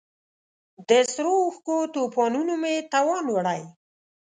د سرو اوښکو توپانونو مې توان وړی